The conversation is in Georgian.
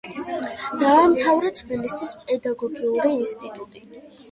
დაამთავრა თბილისის პედაგოგიური ინსტიტუტი.